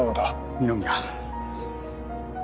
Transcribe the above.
二宮。